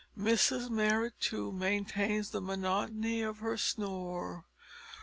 Mrs Marrot, too, maintains the monotony of her snore.